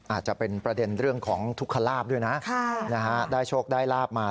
อาจจะเป็นประเด็นเรื่องของทุกขลาบด้วยนะ